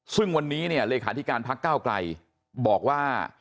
ซึ่งวันนี้ลิขาฐิการพักก้าวกลัยบอกว่า